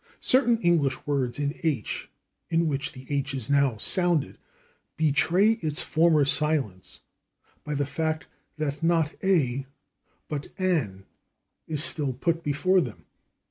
Certain English words in /h/, in which the /h/ is now sounded, betray its former silence by the fact that not /a/ but /an/ is still put before them.